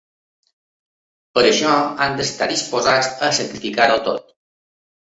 Per això han d’estar disposats a sacrificar-ho tot.